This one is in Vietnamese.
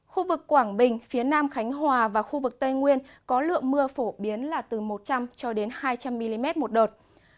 khu vực quảng bình phía nam khánh hòa và khu vực tây nguyên có lượng mưa phổ biến là từ một trăm linh cho đến hai trăm linh mm một đợt